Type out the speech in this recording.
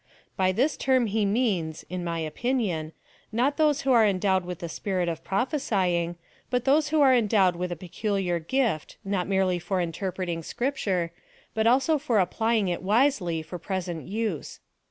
By this term he means, (in my opinion,) not those Mdio were endowed with the gift of prophesying, but those who were endowed with a peculiar gift, not merely for interpret ing Scrij)ture, but also for applying it wisely for present use.